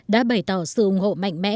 đã bày tỏ sự ủng hộ mạnh mẽ